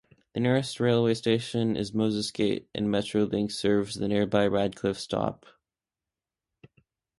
The nearest railway station is Moses Gate, and Metrolink serves the nearby Radcliffe stop.